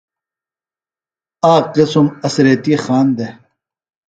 آک قِسم اڅھریتی خان دےۡ